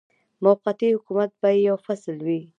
موقتي حکومت به یې یو فصل وي.